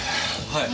はい。